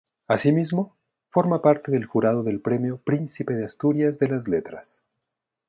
Asimismo, forma parte del jurado del Premio Príncipe de Asturias de las Letras.